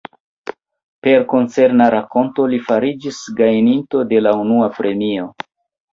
Per koncerna rakonto li fariĝis gajninto de la unua premio.